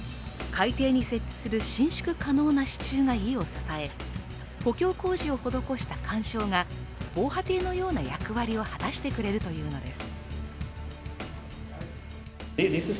海底に設置する伸縮可能な支柱が家を支え、補強工事を施した環礁が防波堤のような役割を果たしてくれるというのです。